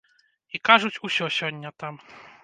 І, кажуць, усе сёння там.